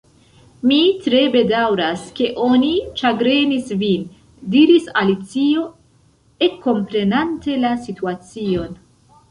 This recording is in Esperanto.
"Mi tre bedaŭras ke oni ĉagrenis vin," diris Alicio, ekkomprenante la situacion.